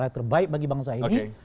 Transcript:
terbaik bagi bangsa ini